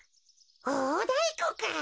おおだいこか。